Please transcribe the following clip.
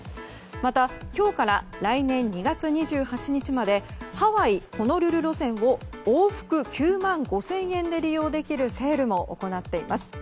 また今日から来年２月２８日までハワイ・ホノルル路線を往復９万５０００円で利用できるセールも行っています。